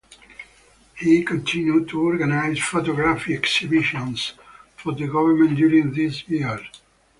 He continued to organize photography exhibitions for the government during these years.